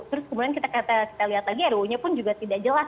terus kemudian kita lihat lagi ruu nya pun juga tidak jelas